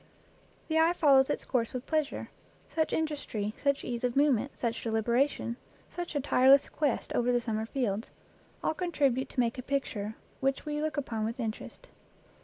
The eye follows its course with pleas ure; such industry, such ease of movement, such deliberation, such a tireless quest over the summer fields all contribute to make a picture which we look upon with interest.